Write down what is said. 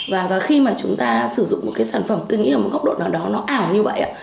và khi mà chúng ta sử dụng một cái sản phẩm tư nghĩa ở một góc độ nào đó nó ảo như vậy